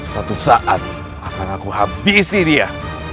suatu saat akan aku habisi dia